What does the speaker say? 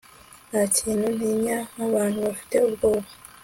Ntakintu ntinya nkabantu bafite ubwoba